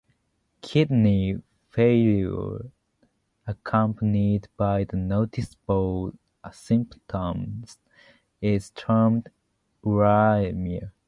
Kidney failure accompanied by noticeable symptoms is termed uraemia.